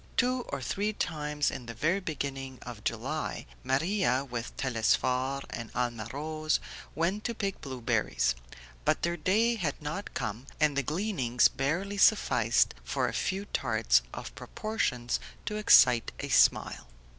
Two or three times in the very beginning of July Maria, with Telesphore and Alma Rose, went to pick blueberries; but their day had not come, and the gleanings barely sufficed for a few tarts of proportions to excite a smile.